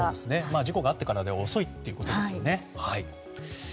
事故があってからでは遅いということですね。